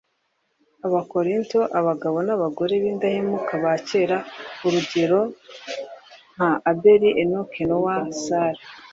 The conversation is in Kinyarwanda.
Abakorinto Abagabo n abagore b indahemuka ba kera urugero nka Abeli Enoki Nowa Sara